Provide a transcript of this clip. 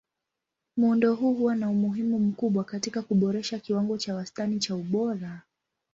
Muundo huu huwa na umuhimu mkubwa katika kuboresha kiwango cha wastani cha ubora.